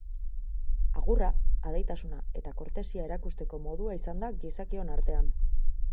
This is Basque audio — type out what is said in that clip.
Agurra, adeitasuna eta kortesia erakusteko modua izan da gizakion artean.